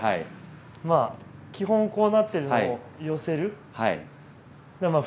まあ基本こうなってるのを寄せる。